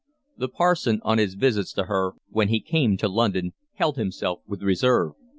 The parson, on his visits to her when he came to London, held himself with reserve.